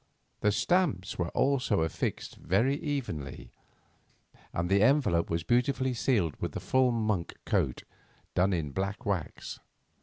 The stamps also were affixed very evenly, and the envelope was beautifully sealed with the full Monk coat done in black wax.